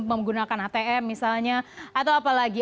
menggunakan atm misalnya atau apa lagi